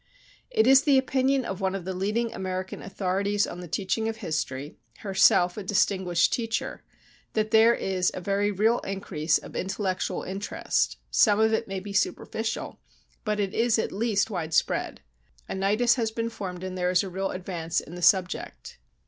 "It is the opinion of one of the leading American authorities on the teaching of history, herself a distinguished teacher, that there is a very real increase of intellectual interest; some of it may be superficial, but it is at least widespread. A nidus has been formed and there is a real advance in the subject.